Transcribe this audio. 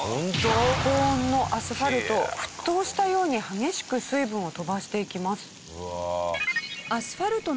高温のアスファルト沸騰したように激しく水分を飛ばしていきます。